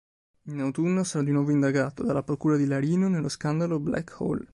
In autunno, sarà di nuovo indagato, dalla procura di Larino, nello scandalo "Black Hole".